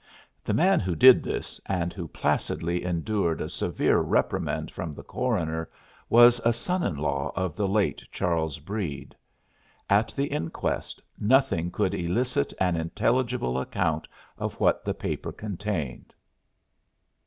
The man who did this, and who afterward placidly endured a severe reprimand from the coroner, was a son in law of the late Charles Breede. At the inquest nothing could elicit an intelligent account of what the paper had contained.